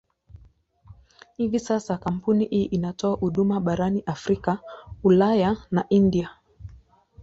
Hivi sasa kampuni hii inatoa huduma barani Afrika, Ulaya na India.